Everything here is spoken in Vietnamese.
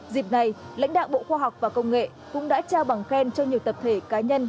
dịp này lãnh đạo bộ khoa học và công nghệ cũng đã trao bằng khen cho nhiều tập thể cá nhân